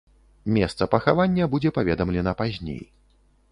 Месца пахавання будзе паведамлена пазней.